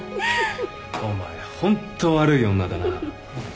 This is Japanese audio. お前ホント悪い女だな